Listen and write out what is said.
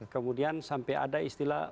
kemudian sampai ada istilah